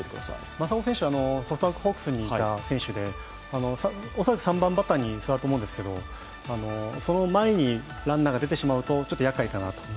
真砂選手はソフトバンクホークスにいた選手でおそらく３番バッターにすわると思うんですけどその前にランナーが出てしまうと、ちょっとやっかいかなと。